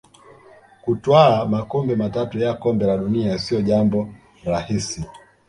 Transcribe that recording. Kutwaa makombe matatu ya Kombe la dunia sio jambo rahisi